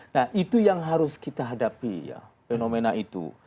nah itu yang harus kita hadapi ya fenomena itu